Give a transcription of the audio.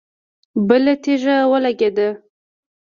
بله تيږه ولګېده.